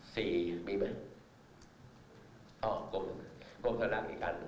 สี่มีไหมอ้อกลมทะลักษณ์อีกอัน